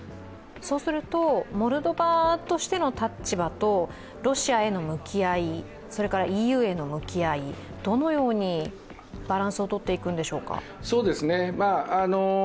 そうすると、モルドバとしての立場とロシアへの向き合い、それからＥＵへの向き合い、どのようにバランスをとっていくんでしょうか？